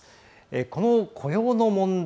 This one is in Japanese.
この雇用の問題。